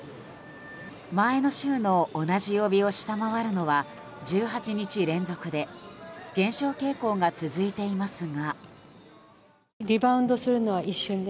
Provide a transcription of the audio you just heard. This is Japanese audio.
前の週の同じ曜日を下回るのは１８日連続で減少傾向が続いていますが。